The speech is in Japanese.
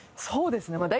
そうですね。